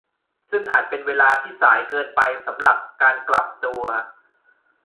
ซึ่งอาจเป็นเวลาที่สายเกินไปสำหรับการกลับตัว